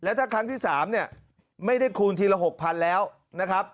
แล้วถ้าครั้งที่สามไม่ได้คูณทีละ๖๐๐๐บาทแล้วนะครับ